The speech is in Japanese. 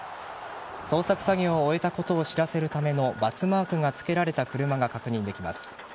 捜索作業を終えたことを知らせるための×マークが付けられた車が確認できます。